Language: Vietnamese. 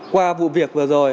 qua vụ việc vừa rồi